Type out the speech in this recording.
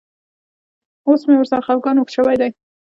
اوس مې ورسره خپګان اوږد شوی دی.